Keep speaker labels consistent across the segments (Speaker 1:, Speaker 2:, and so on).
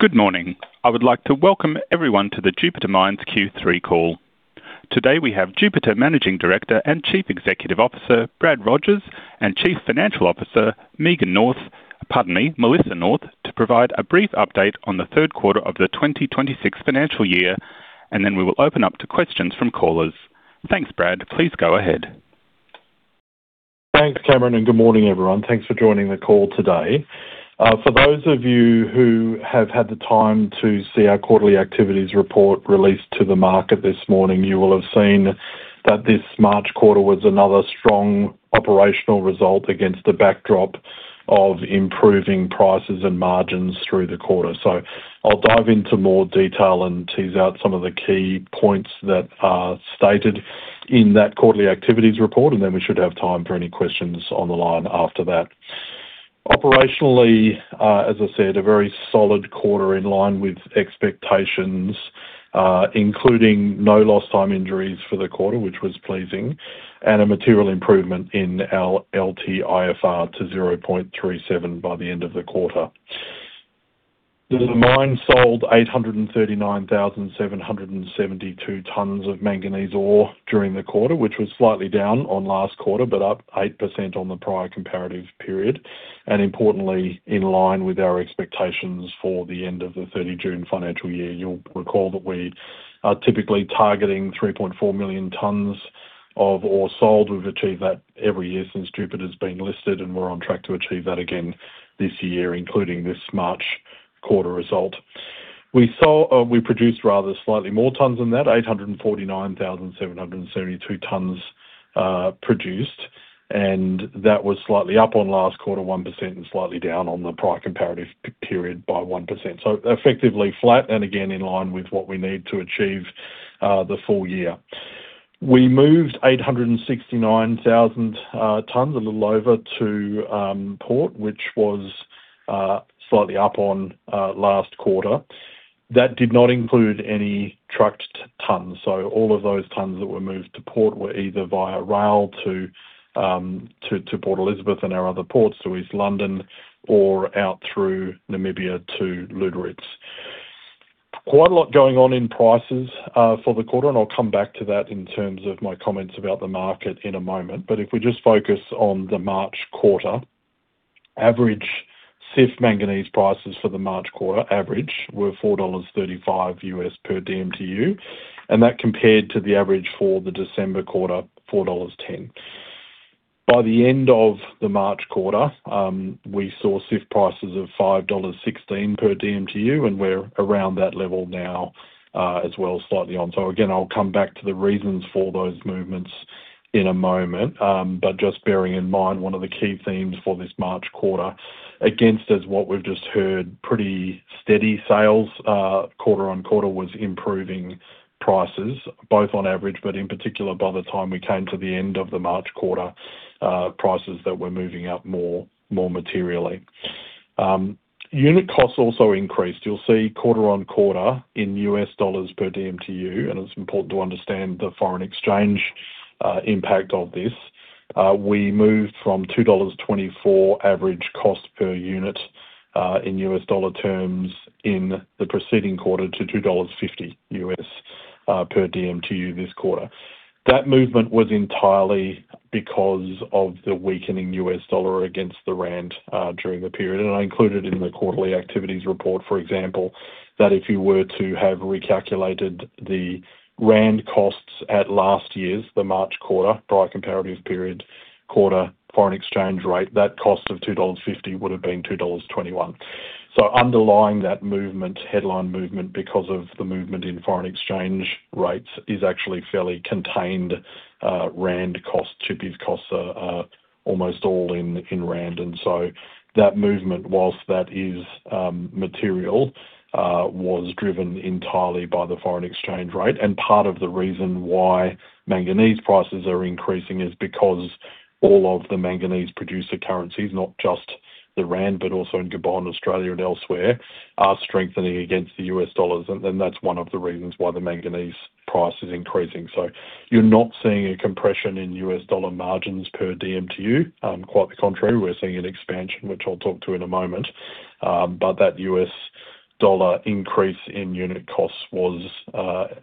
Speaker 1: Good morning. I would like to welcome everyone to the Jupiter Mines Q3 call. Today, we have Jupiter Managing Director and Chief Executive Officer, Brad Rogers, and Chief Financial Officer, Pardon me, Melissa North, to provide a brief update on the third quarter of the 2026 financial year, then we will open up to questions from callers. Thanks, Brad. Please go ahead.
Speaker 2: Thanks, Cameron. Good morning, everyone. Thanks for joining the call today. For those of you who have had the time to see our quarterly activities report released to the market this morning, you will have seen that this March quarter was another strong operational result against the backdrop of improving prices and margins through the quarter. I'll dive into more detail and tease out some of the key points that are stated in that quarterly activities report, and then we should have time for any questions on the line after that. Operationally, as I said, a very solid quarter in line with expectations, including no lost time injuries for the quarter, which was pleasing, and a material improvement in our LTIFR to 0.37 by the end of the quarter. The mine sold 839,772 tons of manganese ore during the quarter, which was slightly down on last quarter, but up 8% on the prior comparative period and importantly, in line with our expectations for the end of the June 30 financial year. You'll recall that we are typically targeting 3.4 million tons of ore sold. We've achieved that every year since Jupiter's been listed, and we're on track to achieve that again this year, including this March quarter result. We produced slightly more tons than that, 849,772 tons produced, and that was slightly up on last quarter, 1%, and slightly down on the prior comparative period by 1%. Effectively flat and again, in line with what we need to achieve the full year. We moved 869,000 tons, a little over to port, which was slightly up on last quarter. That did not include any trucked tons. All of those tons that were moved to port were either via rail to Port Elizabeth and our other ports to East London or out through Namibia to Lüderitz. Quite a lot going on in prices for the quarter, and I'll come back to that in terms of my comments about the market in a moment. If we just focus on the March quarter, average CIF manganese prices for the March quarter average were $4.35 per dmtu, and that compared to the average for the December quarter, $4.10. By the end of the March quarter, we saw CIF prices of $5.16 per dmtu, and we're around that level now, as well. Again, I'll come back to the reasons for those movements in a moment. Just bearing in mind, one of the key themes for this March quarter against as what we've just heard, pretty steady sales, quarter-on-quarter was improving prices, both on average, in particular, by the time we came to the end of the March quarter, prices that were moving up more materially. Unit costs also increased. You'll see quarter-on-quarter in U.S. dollars per dmtu, and it's important to understand the foreign exchange impact of this. We moved from $2.24 average cost per unit in U.S. dollar terms in the preceding quarter to $2.50 per dmtu this quarter. That movement was entirely because of the weakening U.S. dollar against the rand during the period. I included in the quarterly activities report, for example, that if you were to have recalculated the rand costs at last year's, the March quarter, prior comparative period quarter foreign exchange rate, that cost of $2.50 would have been $2.21. Underlying that movement, headline movement, because of the movement in foreign exchange rates, is actually fairly contained rand cost. Shipping costs are almost all in rand. That movement, whilst that is material, was driven entirely by the foreign exchange rate. Part of the reason why manganese prices are increasing is because all of the manganese producer currencies, not just the rand, but also in Gabon, Australia and elsewhere, are strengthening against the U.S. dollars. That's one of the reasons why the manganese price is increasing. You're not seeing a compression in U.S. dollar margins per dmtu. Quite the contrary, we're seeing an expansion, which I'll talk to in a moment. That U.S. dollar increase in unit costs was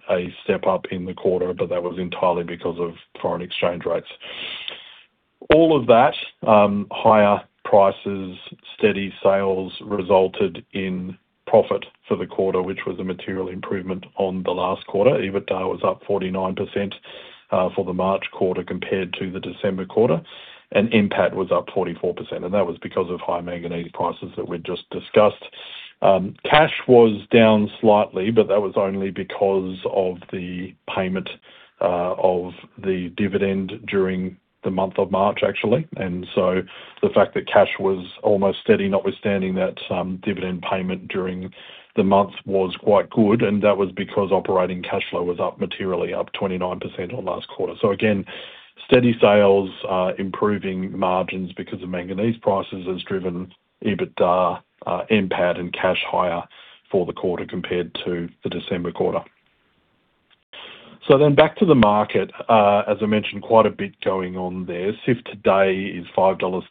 Speaker 2: a step-up in the quarter, but that was entirely because of foreign exchange rates. All of that, higher prices, steady sales, resulted in profit for the quarter, which was a material improvement on the last quarter. EBITDA was up 49% for the March quarter compared to the December quarter, and MPAT was up 44%, and that was because of high manganese prices that we just discussed. Cash was down slightly, but that was only because of the payment of the dividend during the month of March, actually. The fact that cash was almost steady, notwithstanding that dividend payment during the month was quite good, and that was because operating cash flow was up materially, up 29% on last quarter. Again, steady sales, improving margins because of manganese prices has driven EBITDA, MPAT and cash higher for the quarter compared to the December quarter. Back to the market, as I mentioned, quite a bit going on there. CIF today is 5.13 dollars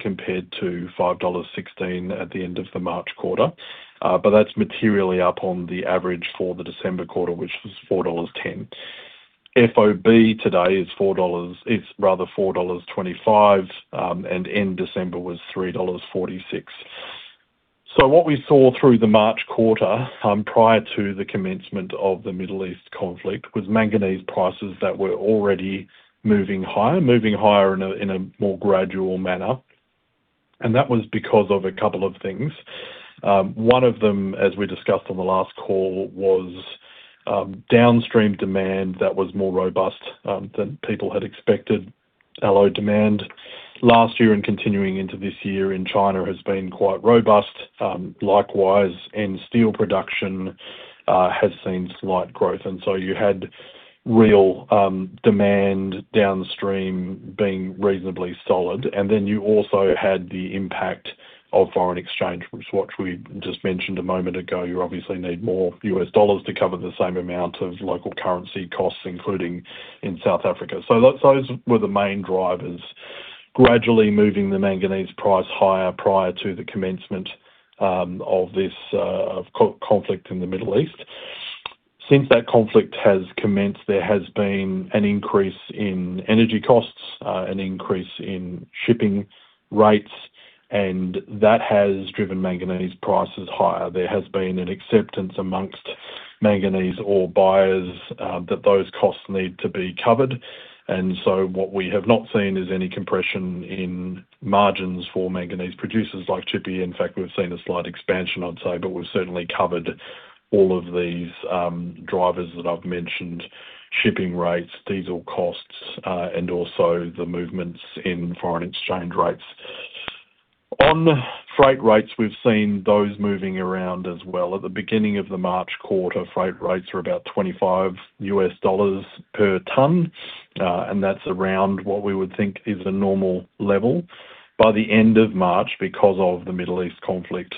Speaker 2: compared to $5.16 at the end of the March quarter. That's materially up on the average for the December quarter, which was $4.10. FOB today is $4.25. End December was $3.46. What we saw through the March quarter, prior to the commencement of the Middle East conflict, was manganese prices that were already moving higher, moving higher in a more gradual manner. That was because of a couple of things. One of them, as we discussed on the last call, was downstream demand that was more robust than people had expected. Alloy demand last year and continuing into this year in China has been quite robust. Likewise, in steel production, has seen slight growth. You had real demand downstream being reasonably solid. You also had the impact of foreign exchange, which what we just mentioned a moment ago. You obviously need more U.S. dollars to cover the same amount of local currency costs, including in South Africa. Those were the main drivers gradually moving the manganese price higher prior to the commencement of this conflict in the Middle East. Since that conflict has commenced, there has been an increase in energy costs, an increase in shipping rates, and that has driven manganese prices higher. There has been an acceptance amongst manganese ore buyers that those costs need to be covered. What we have not seen is any compression in margins for manganese producers like Tshipi. In fact, we've seen a slight expansion, I'd say, but we've certainly covered all of these drivers that I've mentioned, shipping rates, diesel costs, and also the movements in foreign exchange rates. On freight rates, we've seen those moving around as well. At the beginning of the March quarter, freight rates were about $25 per ton, and that's around what we would think is a normal level. By the end of March, because of the Middle East conflict,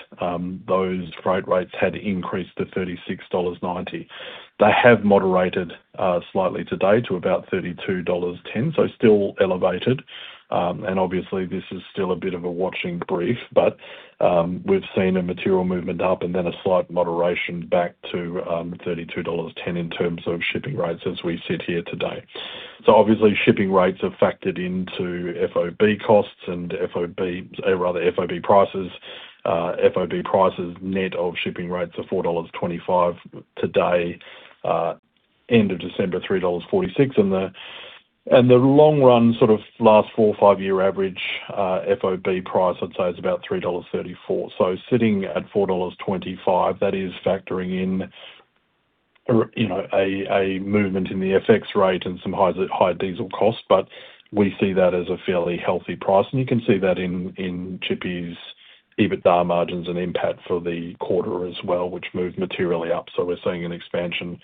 Speaker 2: those freight rates had increased to $36.90. They have moderated slightly today to about $32.10, so still elevated. Obviously, this is still a bit of a watching brief but we've seen a material movement up and then a slight moderation back to $32.10 in terms of shipping rates as we sit here today. Obviously, shipping rates have factored into FOB costs and FOB, or rather FOB prices. FOB prices net of shipping rates are $4.25 today, end of December, $3.46. The long run, sort of last four or five-year average, FOB price, I'd say, is about $3.34. Sitting at $4.25, that is factoring in, you know, a movement in the FX rate and some high diesel costs, but we see that as a fairly healthy price. You can see that in Tshipi's EBITDA margins and MPAT for the quarter as well, which moved materially up. We're seeing an expansion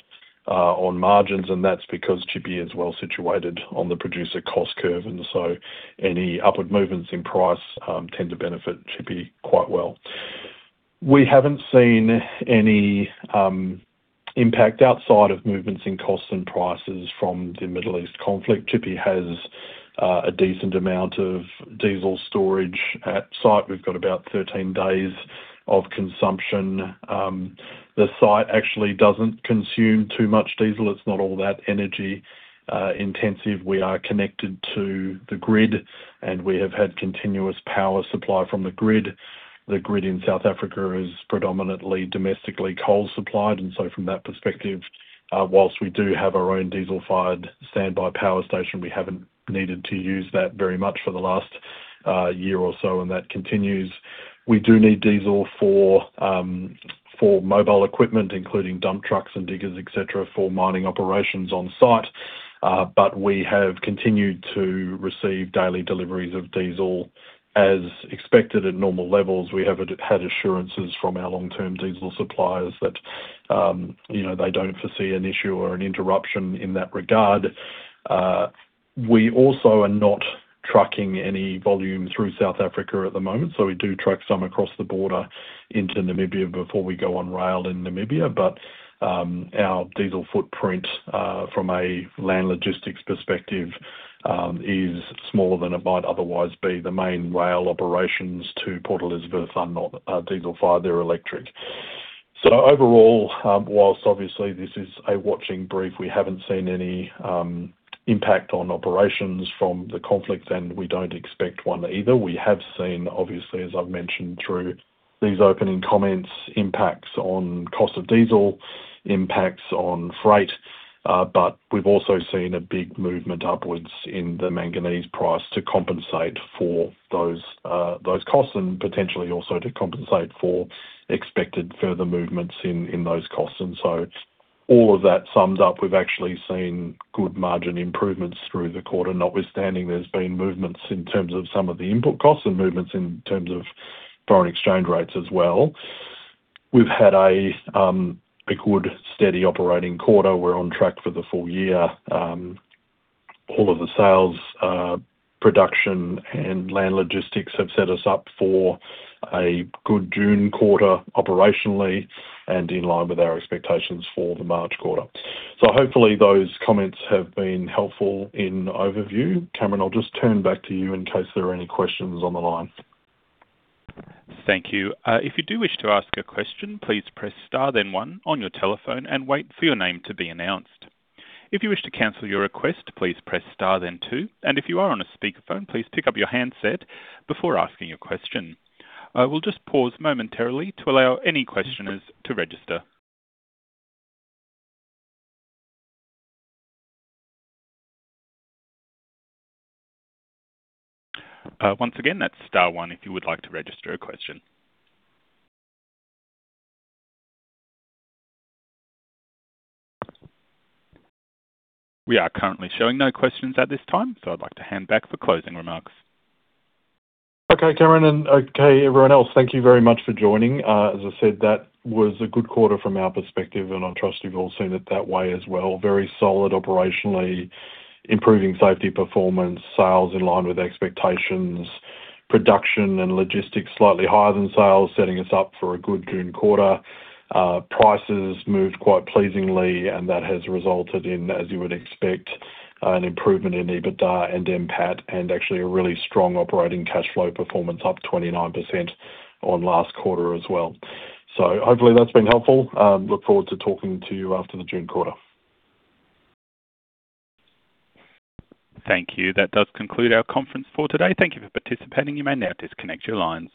Speaker 2: on margins, and that's because Tshipi is well situated on the producer cost curve, any upward movements in price tend to benefit Tshipi quite well. We haven't seen any impact outside of movements in costs and prices from the Middle East conflict. Tshipi has a decent amount of diesel storage at site. We've got about 13 days of consumption. The site actually doesn't consume too much diesel. It's not all that energy intensive. We are connected to the grid. We have had continuous power supply from the grid. The grid in South Africa is predominantly domestically coal supplied. From that perspective, whilst we do have our own diesel-fired standby power station, we haven't needed to use that very much for the last year or so. That continues. We do need diesel for mobile equipment, including dump trucks and diggers, et cetera, for mining operations on-site. We have continued to receive daily deliveries of diesel as expected at normal levels. We have had assurances from our long-term diesel suppliers that, you know, they don't foresee an issue or an interruption in that regard. We also are not trucking any volume through South Africa at the moment, so we do truck some across the border into Namibia before we go on rail in Namibia. Our diesel footprint, from a land logistics perspective, is smaller than it might otherwise be. The main rail operations to Port Elizabeth are not, diesel-fired, they're electric. Overall, whilst obviously this is a watching brief, we haven't seen any impact on operations from the conflict, and we don't expect one either. We have seen, obviously, as I've mentioned through these opening comments, impacts on cost of diesel, impacts on freight, we've also seen a big movement upwards in the manganese price to compensate for those costs and potentially also to compensate for expected further movements in those costs. All of that sums up. We've actually seen good margin improvements through the quarter, notwithstanding there's been movements in terms of some of the input costs and movements in terms of foreign exchange rates as well. We've had a good, steady operating quarter. We're on track for the full year. All of the sales, production and land logistics have set us up for a good June quarter operationally and in line with our expectations for the March quarter. Hopefully, those comments have been helpful in overview. Cameron, I'll just turn back to you in case there are any questions on the line.
Speaker 1: Thank you. If you do wish to ask a question, please press star then one on your telephone and wait for your name to be announced. If you wish to cancel your request, please press star then two. If you are on a speakerphone, please pick up your handset before asking a question. I will just pause momentarily to allow any questioners to register. Once again, that's star one if you would like to register a question. We are currently showing no questions at this time, so I'd like to hand back for closing remarks.
Speaker 2: Okay, Cameron, and okay, everyone else, thank you very much for joining. As I said, that was a good quarter from our perspective, and I trust you've all seen it that way as well. Very solid operationally, improving safety performance, sales in line with expectations, production and logistics slightly higher than sales, setting us up for a good June quarter. Prices moved quite pleasingly, and that has resulted in, as you would expect, an improvement in EBITDA and MPAT and actually a really strong operating cash flow performance, up 29% on last quarter as well. Hopefully, that's been helpful. Look forward to talking to you after the June quarter.
Speaker 1: Thank you. That does conclude our conference for today. Thank you for participating. You may now disconnect your lines.